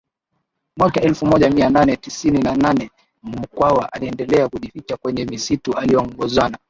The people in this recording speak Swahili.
Mwaka elfu moja mia nane tisini na nane Mkwawa aliendelea kujificha kwenye misitu akiongozana